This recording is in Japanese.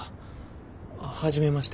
初めまして。